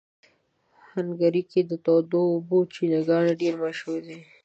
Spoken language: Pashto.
هنګري کې د تودو اوبو چینهګانې ډېرې مشهوره دي.